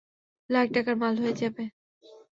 লাখ টাকার মাল হয়ে যাবে।